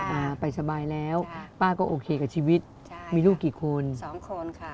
อ่าไปสบายแล้วป้าก็โอเคกับชีวิตใช่มีลูกกี่คนสองคนค่ะ